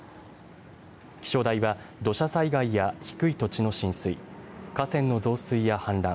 気象台は土砂災害や低い土地の浸水河川の増水や氾濫